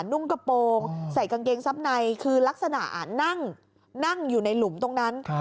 นุ่งกระโปรงใส่กางเกงซับในคือลักษณะนั่งอยู่ในหลุมตรงนั้น